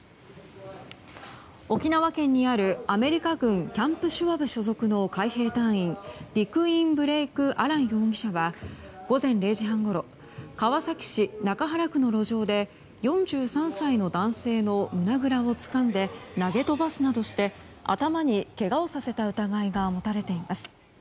沖縄県にあるアメリカ軍キャンプ・シュワブ所属の海兵隊員、ディクイーン・ブレイク・アラン容疑者は午前０時半ごろ川崎市中原区の路上で４３歳の男性の胸ぐらをつかんで投げ飛ばすなどして頭にけがをさせた疑いが持たれています。